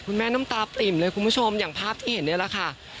น้ำตาปิ่มเลยคุณผู้ชมอย่างภาพที่เห็นนี่แหละค่ะ